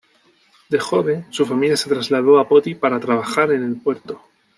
De joven su familia se trasladó a Poti para trabajar en el puerto.